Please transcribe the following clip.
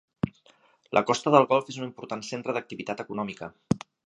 La Costa del Golf és un important centre d'activitat econòmica.